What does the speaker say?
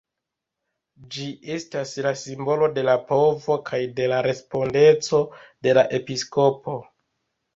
Ĝi estas la simbolo de la povo kaj de la respondeco de la episkopo.